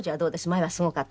前はすごかった。